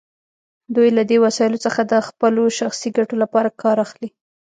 دوی له دې وسایلو څخه د خپلو شخصي ګټو لپاره کار اخلي.